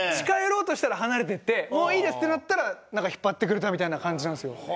近寄ろうとしたら離れてってもういいですってなったらなんか引っ張ってくれたみたいな感じなんですよ。